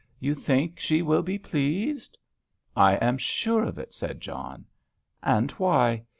"You think she will be pleased?" "I am sure of it," said John. "And why?"